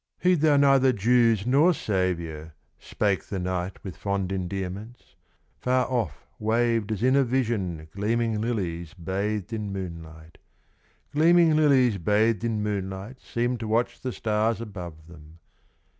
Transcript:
"Heed thou neither Jews nor Savior," Spake the knight with fond endearments; Far off waved as in a vision Gleaming lilies bathed in moonlight. Gleaming lilies bathed in moonlight Seemed to watch the stars above them.